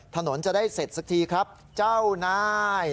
ถนนจะได้เสร็จสักทีครับเจ้านาย